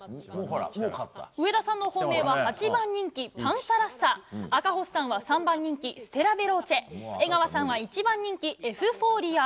上田さんの本命は８番人気パンサラッサ赤星さんは３番人気ステラベローチェ江川さんは１番人気エフフォーリア。